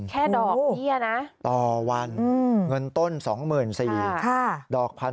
แค่ดอกเยี่ยมนะต่อวันเงินต้น๒๔๐๐๐บาท